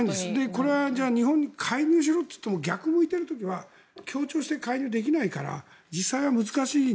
これは日本に介入しろといっても逆を向いている時は協調して介入できないから実際は難しい。